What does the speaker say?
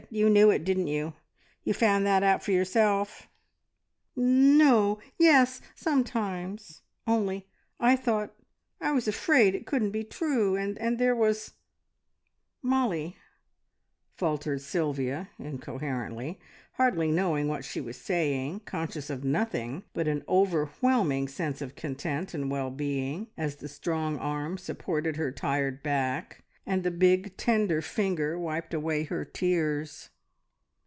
You knew it, didn't you? You found that out for yourself?" "No Yes! Sometimes. Only I thought I was afraid it couldn't be true, and there was Mollie!" faltered Sylvia incoherently, hardly knowing what she was saying, conscious of nothing but an overwhelming sense of content and well being, as the strong arm supported her tired back, and the big, tender finger wiped away her tears.